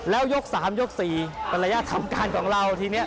แล้วยกสามยกสี่ประระยะทำการของเรามาที่นี้